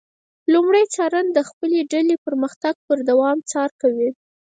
لمری څارن د خپلې ډلې پرمختګ پر دوام څار کوي.